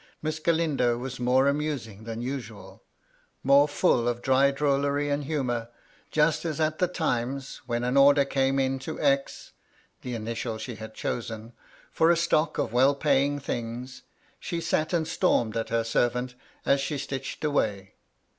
Miss Galindo was more amusing than usual, more fiill of dry drollery and humour ; just as at the times when an order came in to X. (the initial she had chosen) for a stock of well paying things, she sat and stormed at her servant as she stitched away.